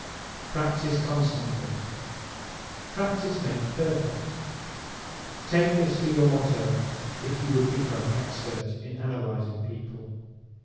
Practise CONSTANTLY ¶ "Practice makes perfect." Take this for your motto if you would become expert in analyzing people.